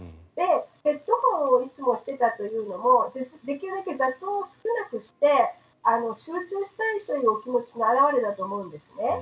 ヘッドホンをいつもしていたというのもできるだけ雑音を少なくして集中したいというお気持ちの表れだと思うんですね。